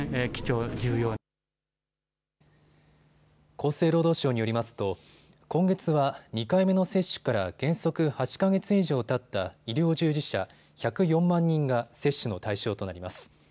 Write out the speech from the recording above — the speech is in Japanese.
厚生労働省によりますと今月は２回目の接種から原則８か月以上たった医療従事者１０４万人が接種の対象となります。